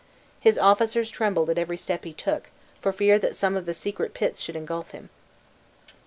His officers trembled at every step he took, for fear that some of the secret pits should ingulf him.